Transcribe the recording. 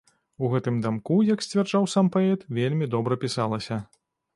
У гэтым дамку, як сцвярджаў сам паэт, вельмі добра пісалася.